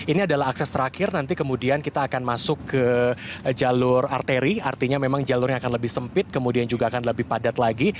ini adalah akses terakhir nanti kemudian kita akan masuk ke jalur arteri artinya memang jalurnya akan lebih sempit kemudian juga akan lebih padat lagi